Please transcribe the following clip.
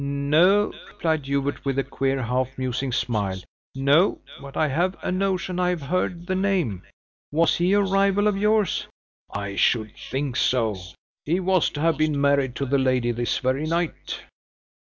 "No," replied Hubert, with a queer, half musing smile, "no; but I have a notion I have heard the name. Was he a rival of yours?" "I should think so! He was to have been married to the lady this very night!"